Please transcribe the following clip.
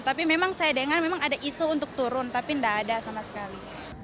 tapi memang saya dengar memang ada isu untuk turun tapi tidak ada sama sekali